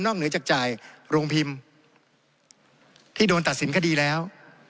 เหนือจากจ่ายโรงพิมพ์ที่โดนตัดสินคดีแล้ว